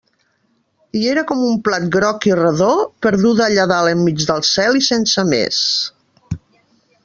I era com un plat groc i redó, perduda allà dalt enmig del cel i sense més.